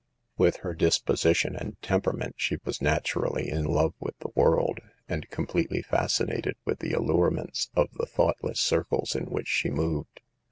With her disposi tion and temperament she was naturally in love with the world, and completely fascinated with the allurements of the thoughtless circles in which she moved.